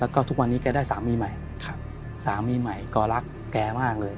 แล้วก็ทุกวันนี้แกได้สามีใหม่สามีใหม่แกรักแกมากเลย